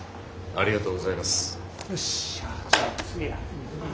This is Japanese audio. ありがとうございます。